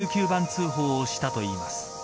そこから１１９番通報をしたといいます。